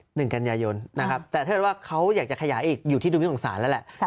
หนึ่งกันยายนนะครับแต่ถ้าว่าเขาอยากจะขยายอีกอยู่ที่ดุลพินของศาลแล้วแหละ